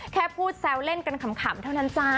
แค่พูดแซวเล่นกันขำเท่านั้นจ้า